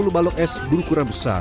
lima puluh balok es berukuran besar